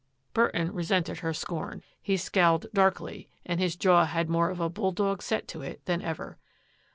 Burton resented her scorn. He scowled darkly and his jaw had more of a bull dog set to it than ever.